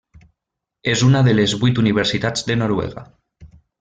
És una de les vuit universitats de Noruega.